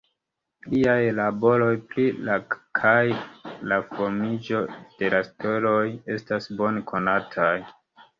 Liaj laboroj pri la kaj la formiĝo de la steloj estas bone konataj.